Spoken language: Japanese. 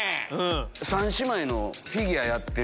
３姉妹のフィギュアやってる。